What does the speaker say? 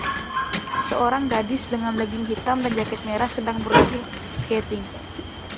Seorang gadis dengan legging hitam dan jaket merah sedang berlatih skating.